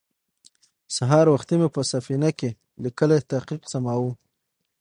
سهار وختې مې په سفينه کې ليکلی تحقيق سماوه.